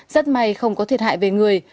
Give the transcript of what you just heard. rất may không có thiệt hại về người